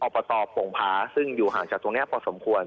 ปตโป่งผาซึ่งอยู่ห่างจากตรงนี้พอสมควร